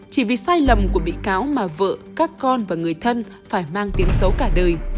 chỉ vì sai lầm của bị cáo mà vợ các con và người thân phải mang tiếng xấu cả đời